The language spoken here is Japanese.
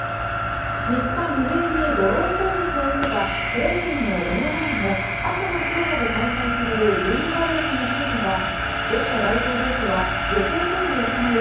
３日未明にドローン攻撃を受けたクレムリンの目の前の赤の広場で開催される軍事パレードについてはロシア大統領府は予定どおり行い